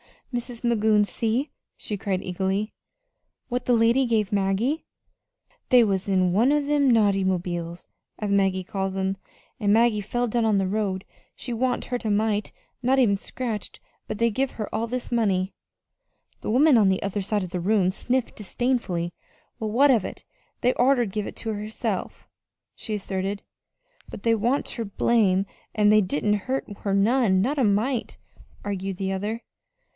"Mis' Magoon, see," she cried eagerly, "what the lady give Maggie. They was in one o' them 'nauty mobiles,' as Maggie calls 'em, an' Maggie felled down in the road. She wa'n't hurt a mite not even scratched, but they give her all this money." The woman on the other side of the room sniffed disdainfully. "Well, what of it? They'd oughter give it to her," she asserted. "But they wa'n't ter blame, an' they didn't hurt her none not a mite," argued the other.